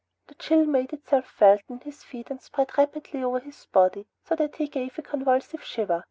A chill made itself felt in his feet and spread rapidly over his body so that he gave a convulsive shiver.